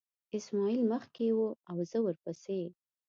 اسماعیل مخکې و او زه ورپسې.